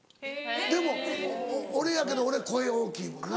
でも俺やけど俺声大きいもんな。